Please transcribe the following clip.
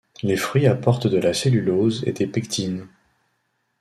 Les fruits apportent de la cellulose et des pectines.